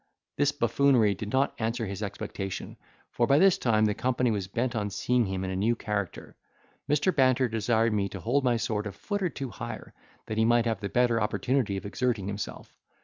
This buffoonery did not answer his expectation, for, by this time, the company was bent on seeing him in a new character. Mr. Banter desired me to hold my sword a foot or two higher, that he might have the better opportunity of exerting himself.